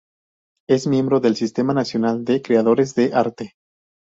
Es miembro del Sistema nacional de creadores de arte.